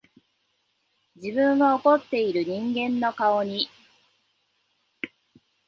自分は怒っている人間の顔に、